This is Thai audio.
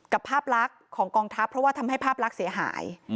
ภาพลักษณ์ของกองทัพเพราะว่าทำให้ภาพลักษณ์เสียหาย